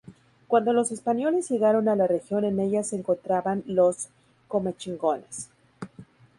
Cuando los españoles llegaron a la región en ella se encontraban los comechingones.